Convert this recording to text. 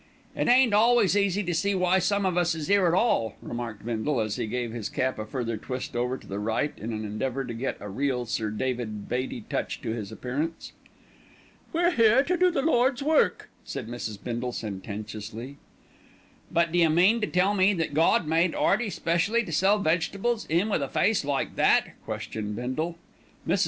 "It ain't always easy to see why some of us is 'ere at all," remarked Bindle, as he gave his cap a further twist over to the right in an endeavour to get a real Sir David Beatty touch to his appearance. "We're here to do the Lord's work," said Mrs. Bindle sententiously "But d'you mean to tell me that Gawd made 'Earty specially to sell vegetables, 'im with a face like that?" questioned Bindle. Mrs.